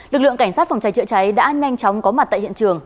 lực lượng cảnh sát phòng cháy chữa cháy đã nhanh chóng có mặt tại hiện trường